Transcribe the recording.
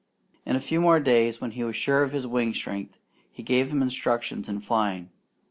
In a few more days, when he was sure of his wing strength, he gave him instructions in flying.